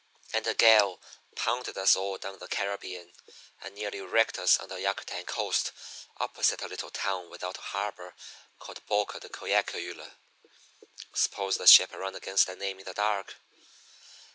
And a gale pounded us all down the Caribbean, and nearly wrecked us on the Yucatan coast opposite a little town without a harbor called Boca de Coacoyula. Suppose the ship had run against that name in the dark!